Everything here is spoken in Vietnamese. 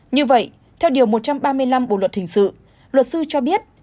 như vậy theo điều một trăm ba mươi năm bộ luật hình sự luật sư cho biết